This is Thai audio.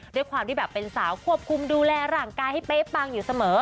ด้วยความที่แบบเป็นสาวควบคุมดูแลร่างกายให้เป๊ะปังอยู่เสมอ